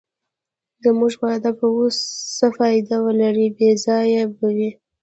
زموږ واده به اوس څه فایده ولرې، بې ځایه به وي.